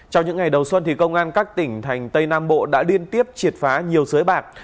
trong những ngày đầu xuân công an các tỉnh thành tây nam bộ đã liên tiếp triệt phá nhiều sới bạc